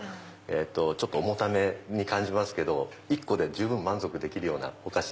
ちょっと重ために感じますけど１個で満足できるようなお菓子。